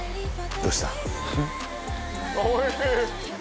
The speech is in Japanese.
どうした？